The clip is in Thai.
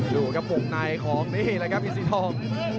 ดูครับวงในของนี่แหละครับอินสีทอง